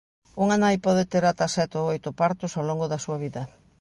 Unha nai pode ter ata sete ou oito partos ao longo da súa vida.